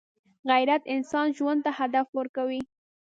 غیرت انسان ژوند ته هدف ورکوي